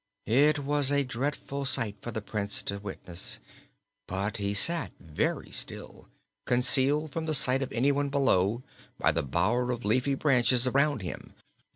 It was a dreadful sight for the Prince to witness, but he sat very still, concealed from the sight of anyone below by the bower of leafy branches around him.